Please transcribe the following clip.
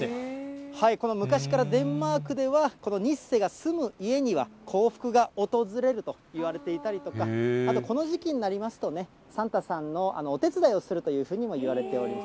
この、昔からデンマークでは、このニッセが住む家には幸福が訪れるといわれていたりとか、あと、この時期になりますとね、サンタさんのお手伝いをするというふうにもいわれております。